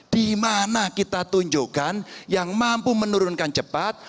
di mana kita tunjukkan yang mampu menurunkan cepat